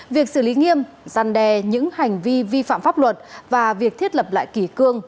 việc xử lý nghiêm gian đe những hành vi vi phạm pháp luật và việc thiết lập lại kỷ cương